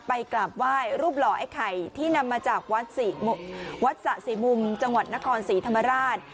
กราบไหว้รูปหล่อไอ้ไข่ที่นำมาจากวัดสะสีมุมจังหวัดนครศรีธรรมราช